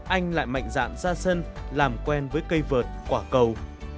anh nhuận sẽ mạnh dạn ra sân làm quen với cây vợt quả cầu